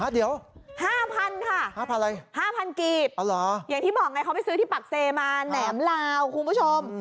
เดี๋ยว๕๐๐๐ค่ะ๕๐๐กีบอย่างที่บอกไงเขาไปซื้อที่ปักเซมาแหนมลาวคุณผู้ชม